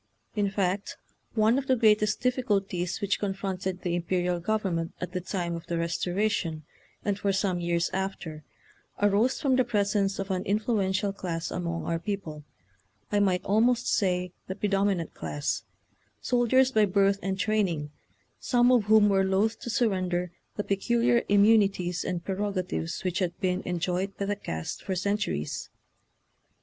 In fact, one of the greatest diffi culties which confronted the imperial government at the time of the Restora tion, and for some years after, arose from the presence of an influential class among our people — I might almost say the predominant class — soldiers by birth and training, some of whom were loath to surrender the peculiar immunities and prerogatives which had been en joyed by the caste for centuries.